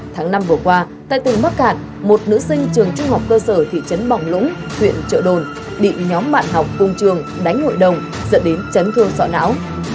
tháng năm vừa qua tại tỉnh bắc cạn một nữ sinh trường trung học cơ sở thị trấn bằng lũng huyện trợ đồn bị nhóm bạn học cùng trường đánh hội đồng dẫn đến chấn thương sọ não